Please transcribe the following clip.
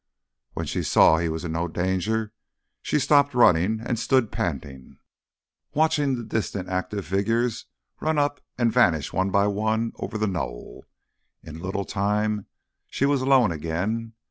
When she saw he was in no danger she stopped running and stood panting, watching the distant active figures run up and vanish one by one over the knoll. In a little time she was alone again.